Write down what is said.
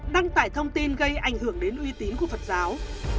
đăng tải thông tin gây ảnh hưởng đến uy tín của phật giáo